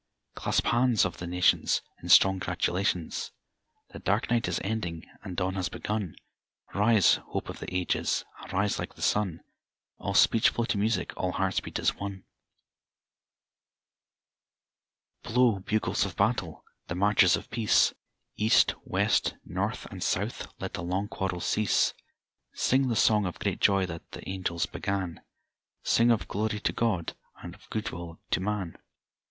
Clasp hands of the nations In strong gratulations: The dark night is ending and dawn has begun; Rise, hope of the ages, arise like the sun, All speech flow to music, all hearts beat as one! III. Blow, bugles of battle, the marches of peace; East, west, north, and south let the long quarrel cease Sing the song of great joy that the angels began, Sing of glory to God and of good will to man!